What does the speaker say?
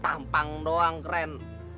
tampang doang keren